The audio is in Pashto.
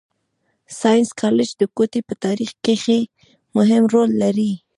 ساینس کالج د کوټي په تارېخ کښي مهم رول لري.